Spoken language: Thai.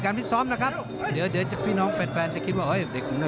ก็ยังไม่นะ